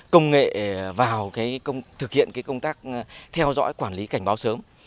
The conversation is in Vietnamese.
công nghệ vào thực hiện công tác theo dõi quản lý cảnh báo sớm